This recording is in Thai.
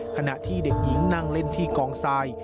ขณะที่เด็กหญิงนั่งเล่นที่กองทราย